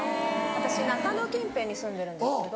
私中野近辺に住んでるんですけど。